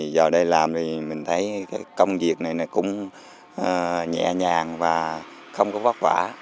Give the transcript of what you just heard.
giờ đây làm thì mình thấy công việc này cũng nhẹ nhàng và không có vất vả